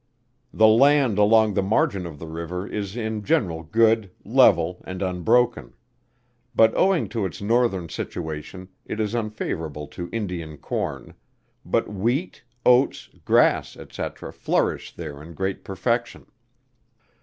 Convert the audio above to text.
The land along the margin of the river is in general good, level, and unbroken; but owing to its northern situation it is unfavourable to Indian corn; but wheat, oats, grass, &c. flourish there in great perfection.